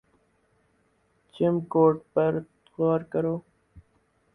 جم کورٹر پر غور کرو